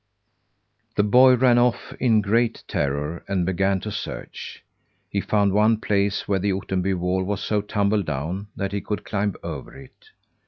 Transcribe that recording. The boy ran off in great terror and began to search. He found one place where the Ottenby wall was so tumble down that he could climb over it.